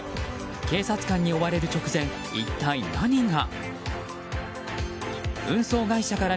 警察官に追われる直前一体何が？